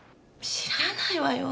知らないわよ。